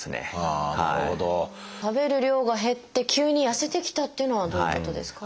「食べる量が減って急にやせてきた」っていうのはどういうことですか？